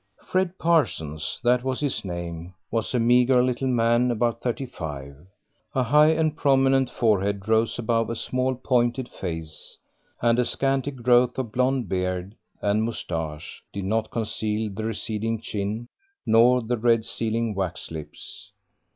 Fred Parsons that was his name was a meagre little man about thirty five. A high and prominent forehead rose above a small pointed face, and a scanty growth of blonde beard and moustache did not conceal the receding chin nor the red sealing wax lips.